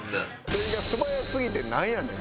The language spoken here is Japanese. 店員が素早すぎてなんやねん？